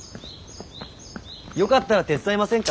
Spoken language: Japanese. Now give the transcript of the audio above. よかったら手伝いませんか？